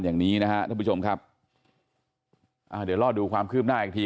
อย่างนี้นะฮะท่านผู้ชมครับอ่าเดี๋ยวรอดูความคืบหน้าอีกที